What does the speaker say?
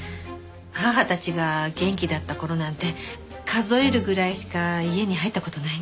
義母たちが元気だった頃なんて数えるぐらいしか家に入った事ないんです。